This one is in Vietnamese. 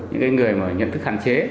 những người nhận thức hạn chế